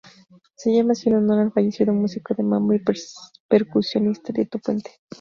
Se llama así en honor al fallecido músico de mambo y percusionista Tito Puente.